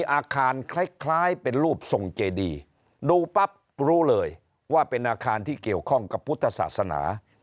อาคารคล้ายคล้ายเป็นรูปทรงเจดีดูปั๊บรู้เลยว่าเป็นอาคารที่เกี่ยวข้องกับพุทธศาสนา